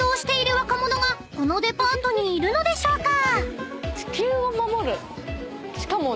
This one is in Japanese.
［このデパートにいるのでしょうか？］